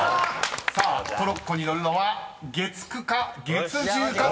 さあトロッコに乗るのは月９か月１０かという対決］